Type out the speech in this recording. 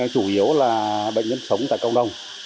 chủ yếu là bệnh nhân sống tại câu đồng